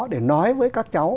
để nói với các cháu